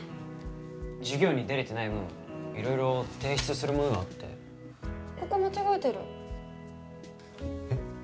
授業に出れてない分色々提出するものがあってここ間違えてるえっ？